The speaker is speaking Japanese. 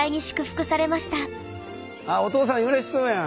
あお父さんうれしそうやん。